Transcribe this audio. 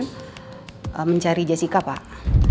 dan mencari jessica pak